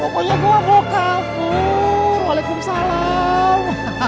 pokoknya gua bawa kampung waalaikumsalam